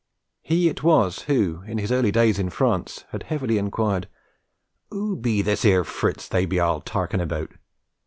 He it was who, in his early days in France, had heavily inquired: 'Who be this 'ere Fritz they be arl tarkin' about?'